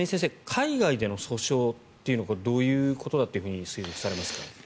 海外での訴訟というのはこれはどういうことだと推測されますか。